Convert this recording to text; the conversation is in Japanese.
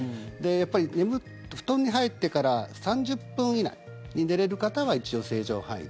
やっぱり布団に入ってから３０分以内に寝れる方は一応、正常範囲。